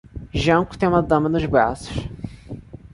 Janko tem uma dama nos braços.